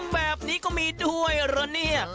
แบบนี้ก็มีด้วยเหรอเนี่ย